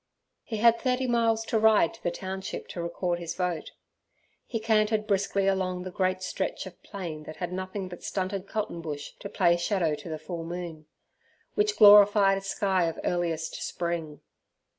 He had thirty miles to ride to the township to record his vote. He cantered briskly along the great stretch of plain that had nothing but stunted cottonbush to play shadow to the full moon, which glorified a sky of earliest spring.